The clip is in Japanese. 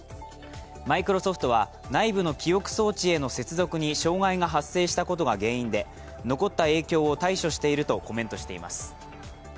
マイクロソフトは、内部の記憶装置への接続に障害が発生したことが原因で残った影響を対処しているとコメントしています。